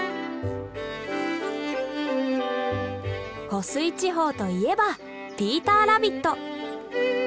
湖水地方といえばピーターラビット。